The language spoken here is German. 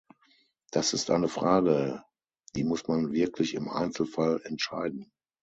Das ist eine Frage, die muss man wirklich im Einzelfall entscheiden.